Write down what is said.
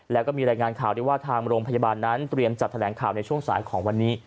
และมีรายงานข่าวทางโรงพยาบาลเรียนจัดแถลงข่าวในช่วงสายของวันนี้